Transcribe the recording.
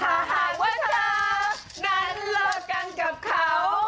ถ้าหากว่าเธอนั้นเลิกกันกับเขา